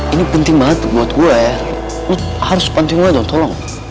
ini penting banget buat gue ya harus penting gue dong tolong